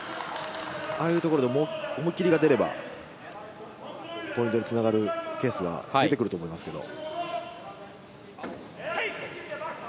ああいうところで思い切りが出れば、ポイントに繋がるケースが出てくると思いますけども。